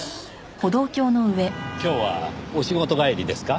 今日はお仕事帰りですか？